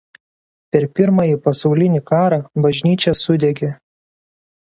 Per Pirmąjį pasaulinį karą bažnyčia sudegė.